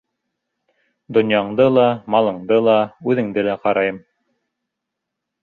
Донъяңды ла, малыңды ла, үҙеңде лә ҡарайым.